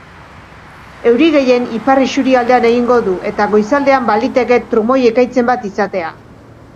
Euri gehien ipar isurialdean egingo du eta goizaldean baliteke trumoi-ekaitzen bat izatea.